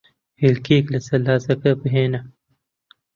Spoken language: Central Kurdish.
هێلکەیەک لە سەلاجەکە بھێنە.